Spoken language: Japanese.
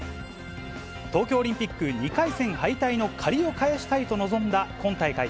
東京オリンピック２回戦敗退の借りを返したいと臨んだ今大会。